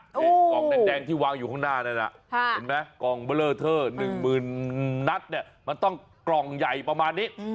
กล้องแดงที่วางอยู่ข้างหน้านั้นนะมันต้องกล้องใหญ่ประมาณนี้